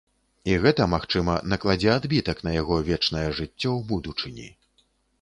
І гэта, магчыма, накладзе адбітак на яго вечнае жыццё ў будучыні.